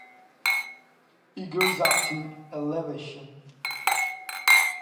It grows up to in elevation.